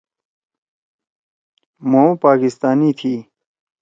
مھو پاکستانی تھی۔